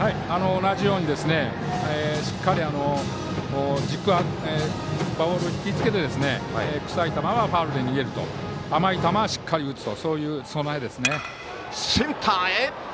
同じようにしっかり引き付けてくさい球はファウルで逃げると甘い球はしっかり打つとそういう構えですね。